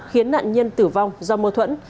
khiến nạn nhân tử vong do mâu thuẫn